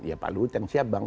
ya pak luhut dan siap bang